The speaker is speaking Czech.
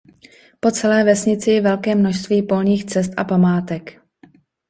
Po celé vesnici je velké množství polních cest a památek.